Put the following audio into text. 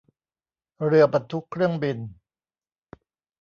เรือบรรทุกเครื่องบิน